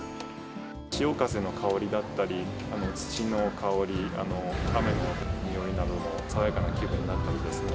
潮風の香りだったり、土の香り、雨のにおいなども、爽やかな気分になったりですね、